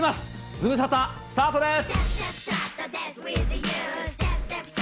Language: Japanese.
ズムサタ、スタートです。